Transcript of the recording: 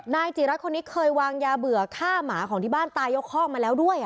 นายจิรัตนคนนี้เคยวางยาเบื่อฆ่าหมาของที่บ้านตายกคอกมาแล้วด้วย